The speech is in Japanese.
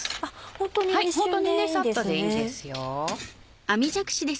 ホントにサッとでいいですよ。